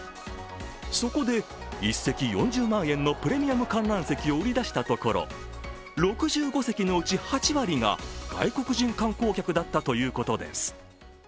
そこで、１席４０万円のプレミアム観覧席を売り出したところ６５席のうち８割が外国人観光客だったということです。